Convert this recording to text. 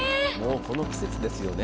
この季節ですよね。